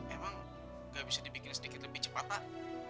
emang gak bisa dibikin sedikit lebih cepat pak